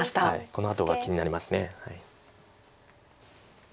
このあとが気になります。